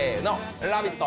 「ラヴィット！」